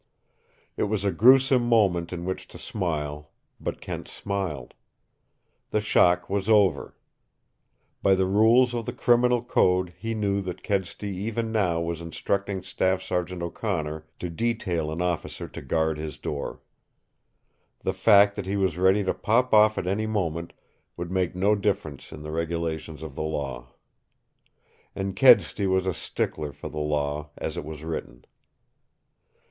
It was a gruesome moment in which to smile, but Kent smiled. The shock was over. By the rules of the Criminal Code he knew that Kedsty even now was instructing Staff Sergeant O'Connor to detail an officer to guard his door. The fact that he was ready to pop off at any moment would make no difference in the regulations of the law. And Kedsty was a stickler for the law as it was written.